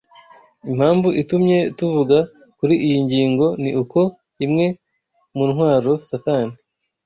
Impamvu itumye tuvuga kuri iyi ngingo ni uko imwe mu ntwaro Satani